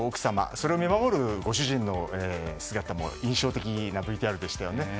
それを見守るご主人の姿も印象的なＶＴＲでしたね。